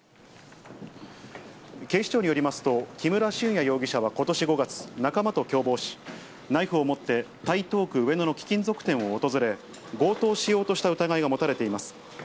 警視庁によりますと、木村俊哉容疑者はことし５月、仲間と共謀し、ナイフを持って台東区上野の貴金属店を訪れ、強盗しようとした疑いが持たれています。